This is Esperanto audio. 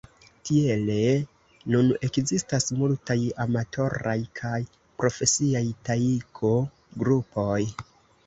Tiele nun ekzistas multaj amatoraj kaj profesiaj Taiko-grupoj.